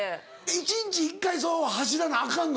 一日一回そう走らなアカンの？